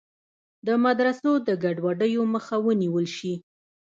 د مدرسو د ګډوډیو مخه ونیول شي.